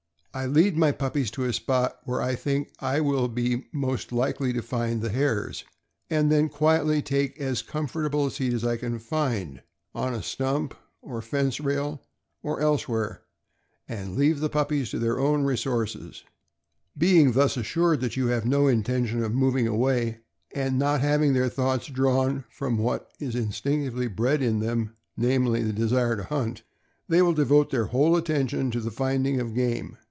I lead my puppies to a spot where I think I will be most likely to find the hares, and then quietly take as comfort able a seat as I can find, on a stump or fence rail, or else where, and leave the puppies to their own resources. Being thus assured that you have no intention of moving away, and not having their thoughts drawn from what is instinctively bred in them, namely, the desire to hunt, they will devote their whole attention to the finding of game.